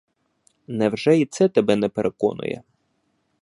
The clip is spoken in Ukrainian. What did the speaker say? Невже і це тебе не переконує?